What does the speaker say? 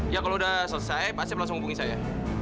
ya kalau udah selesai pak saif langsung hubungi saya